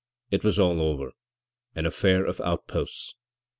It was all over 'an affair of out posts.'